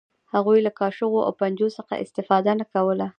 هغوی له کاچوغو او پنجو څخه استفاده نه کوله.